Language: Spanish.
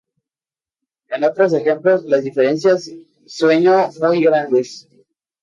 En otros ejemplos las diferencias sueño muy grandes.